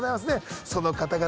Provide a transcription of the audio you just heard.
その方々